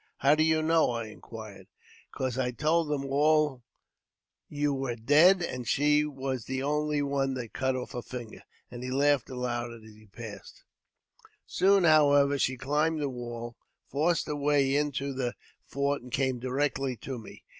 " How do you know ?" I inquired. " Because I told them all you were dead, and she was the only one that cut off a finger ;" and he laughed aloud as he passed on. Soon, however, she climbed the wall, and forced her way into the fort, and came directly to me.